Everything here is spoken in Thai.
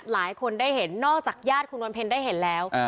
หลายคนได้เห็นนอกจากญาติคุณวันเพ็ญได้เห็นแล้ว